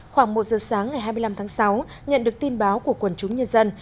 khoảng một giờ sáng ngày hai mươi năm tháng sáu nhận được tin báo của quần chúng nhân dân